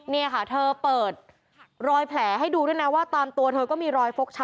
นี่ค่ะเธอเปิดรอยแผลให้ดูด้วยนะว่าตามตัวเธอก็มีรอยฟกช้